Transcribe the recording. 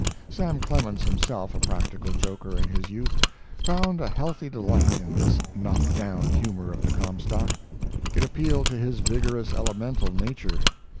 Sam Clemens, himself a practical joker in his youth, found a healthy delight in this knock down humor of the Comstock. It appealed to his vigorous, elemental nature.